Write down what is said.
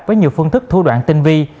với nhiều phương thức thua đoạn tinh vi